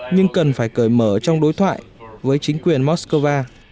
nhưng cần phải cởi mở trong đối thoại với chính quyền moscow